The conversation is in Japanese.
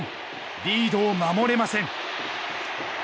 リードを守れません。